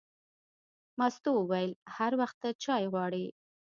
مستو وویل: هر وخت ته چای غواړې.